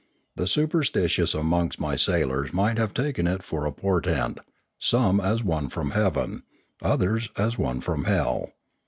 The superstitious amongst my sailors might have taken it for a portent, some as one from heaven, others as one from hell.